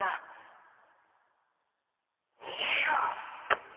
逃げよう。